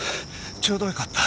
ちょうどよかった。